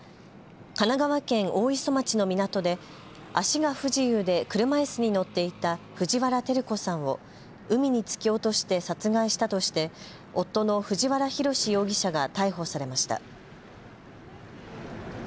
神奈川県大磯町の港で足が不自由で車いすに乗っていた藤原照子さんを海に突き落として殺害したとして夫の藤原宏容疑者が逮捕されました。